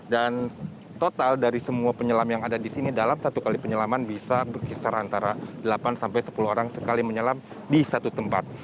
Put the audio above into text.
dan total dari semua penyelam yang ada di sini dalam satu kali penyelaman bisa berkisar antara delapan sampai sepuluh orang sekali menyelam di satu tempat